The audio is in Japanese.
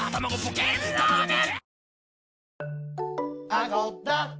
チキンラーメン！